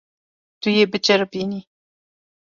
Tu yê biceribînî.